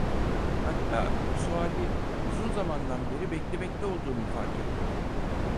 Hatta bu suali uzun zamandan beri beklemekte olduğumu fark ettim.